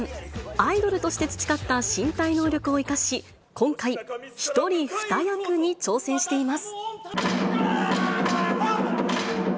アイドルとして培った身体能力を生かし、今回、１人２役に挑戦しています。